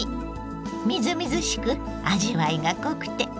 みずみずしく味わいが濃くて栄養も満点！